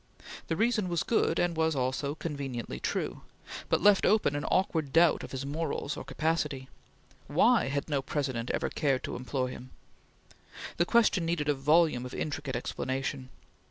The reason was good, and was also conveniently true, but left open an awkward doubt of his morals or capacity. Why had no President ever cared to employ him? The question needed a volume of intricate explanation.